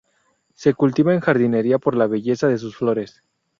Se cultivan en jardinería por la belleza de sus flores.